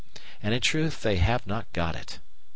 And in truth they have not got it.